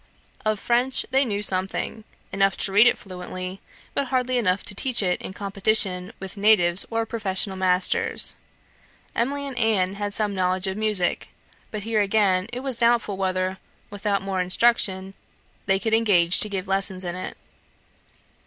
Of French they knew something; enough to read it fluently, but hardly enough to teach it in competition with natives or professional masters. Emily and Anne had some knowledge of music; but here again it was doubtful whether, without more instruction, they could engage to give lessons in it.